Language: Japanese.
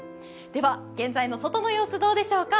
では、現在の外の様子どうでしょうか。